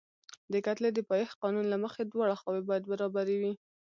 د کتلې د پایښت قانون له مخې دواړه خواوې باید برابرې وي.